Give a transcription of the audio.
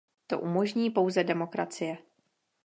To umožní pouze demokracie.